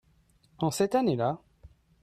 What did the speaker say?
En cette année-là.